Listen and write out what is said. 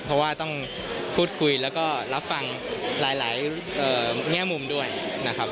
เพราะว่าต้องพูดคุยแล้วก็รับฟังหลายแง่มุมด้วยนะครับ